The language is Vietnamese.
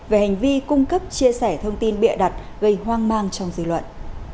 về hành vi cung cấp chia sẻ thông tin bịa đặt gây hoang mang trong dư luận